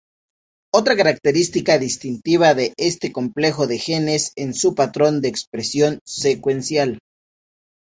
Otra característica distintiva de este complejo de genes es su patrón de expresión secuencial.